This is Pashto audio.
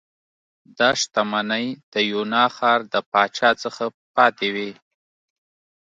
دا شتمنۍ د یونا ښار د پاچا څخه پاتې وې